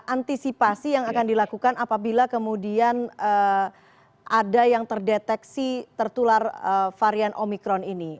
antisipasi yang akan dilakukan apabila kemudian ada yang terdeteksi tertular varian omikron ini